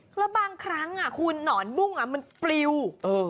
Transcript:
แล้วบางครั้งอ่ะคุณหนอนบุ้งอ่ะมันปลิวเออ